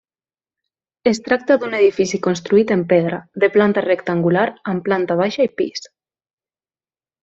Es tracta d'un edifici construït en pedra, de planta rectangular, amb planta baixa i pis.